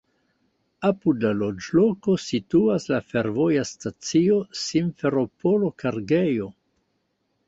Apud la loĝloko situas la fervoja stacio "Simferopolo-kargejo".